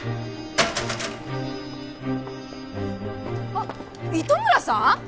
あっ糸村さん！？